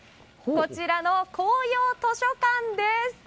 こちらの紅葉図書館です。